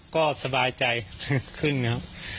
ก็สบายใจขึ้นนะครับ